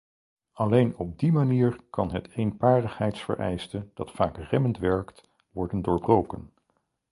Alleen op die manier kan het eenparigheidsvereiste, dat vaak remmend werkt, worden doorbroken.